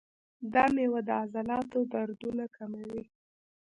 دا میوه د عضلاتو دردونه کموي.